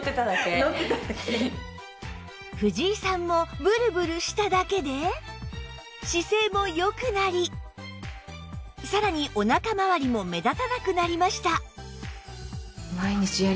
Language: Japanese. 藤井さんもブルブルしただけで姿勢も良くなりさらにおなかまわりも目立たなくなりました